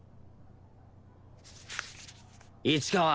市川。